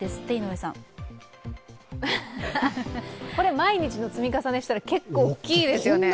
毎日の積み重ねしたら結構大きいですね。